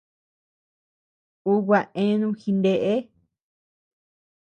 Uu gua eanu jineʼe.